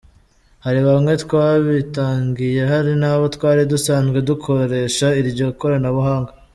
Hari bamwe twabitangiye hari n’abo twari dusanzwe dukoresha iryo koranabuhanga.